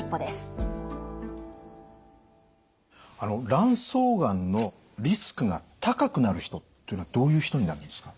卵巣がんのリスクが高くなる人っていうのはどういう人になるんですか？